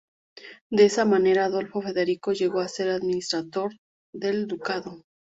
De esa manera, Adolfo Federico llegó a ser el administrador del ducado.